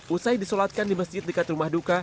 usai disolatkan di masjid dekat rumah duka